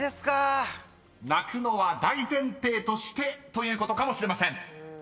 ［泣くのは大前提としてということかもしれません］